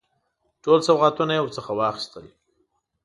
ټول سوغاتونه یې ورڅخه واخیستل.